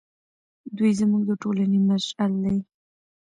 دی زموږ د ټولنې مشعل دی.